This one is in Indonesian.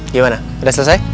gimana udah selesai